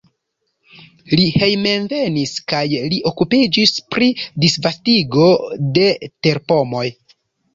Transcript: Li hejmenvenis kaj li okupiĝis pri disvastigo de terpomoj.